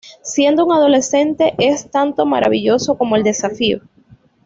Siendo un adolescente es tanto maravilloso como el desafío.